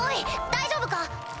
大丈夫か？